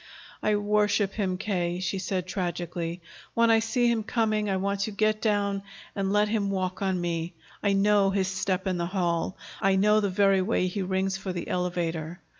"I worship him, K.," she said tragically. "When I see him coming, I want to get down and let him walk on me. I know his step in the hall. I know the very way he rings for the elevator.